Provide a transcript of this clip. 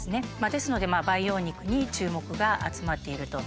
ですので培養肉に注目が集まっていると。